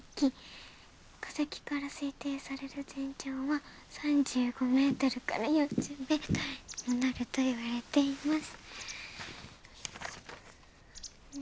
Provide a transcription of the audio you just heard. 「化石から推定される全長は３５ｍから４０ｍにもなるといわれています」。